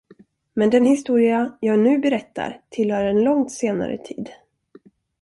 Men den historia jag nu berättar, tillhör en långt senare tid.